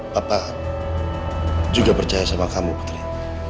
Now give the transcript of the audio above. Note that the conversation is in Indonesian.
bapak juga percaya sama kamu putri